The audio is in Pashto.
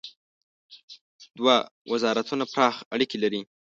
دوه وزارتونه پراخ اړیکي لري.